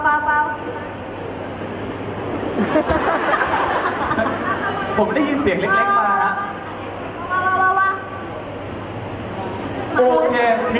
ผมจะได้ยินเสียงเล็ก